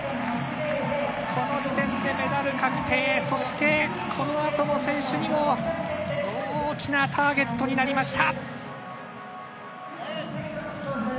この時点でメダル確定、そしてこの後の選手にも大きなターゲットになりました。